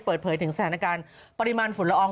เปิดเผยถึงสถานการณ์ปริมาณฝุ่นละออง